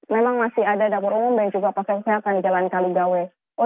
memang masih ada dapur umum dan juga posko kesehatan di jalan kaligawe